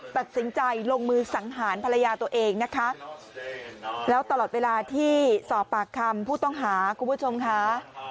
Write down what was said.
ตัดสินใจลงมือสังหารภรรยาตัวเองนะคะแล้วตลอดเวลาที่สอบปากคำผู้ต้องหาคุณผู้ชมค่ะ